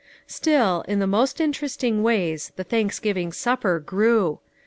Still, in the most interesting ways the Thanks giving supper grew.